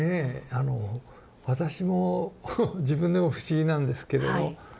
あの私も自分でも不思議なんですけれど。